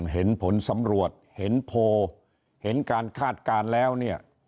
เห็นผลสำรวจเห็นโพลเห็นการคาดการณ์แล้วเนี่ย